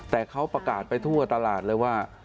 แต่เขาประกาศไปทั่วตลาดเลยว่า